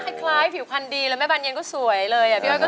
คันน่ะผิวคันดีแล้วแม่บานเย็นก็สวยเลย